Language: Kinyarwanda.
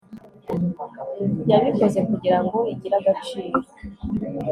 yabikoze kugira ngo igire agaciro